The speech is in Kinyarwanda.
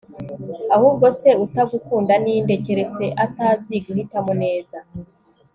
ahubwo se utagukunda ninde, keretse atazi guhitamo neza